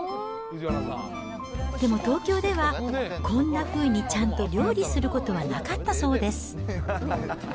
でも東京では、こんなふうにちゃんと料理することはなかったそうです。